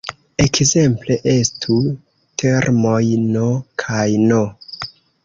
Ekzemple estu termoj "n" kaj "n".